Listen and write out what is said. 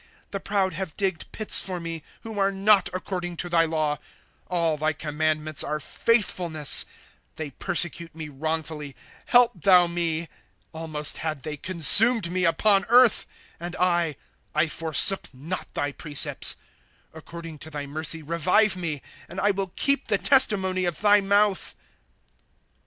^ The proud have digged pits for mo, Who are not according to thy law. ^ All thy commandments are faithfulness ; They persecute me wrongfully ; help thou me. '' Almost had they consumed me upon earth ; And I, I forsook not thy precepts, ^ According to thy mercy revive me, And I will keep the testimony of thy mouth.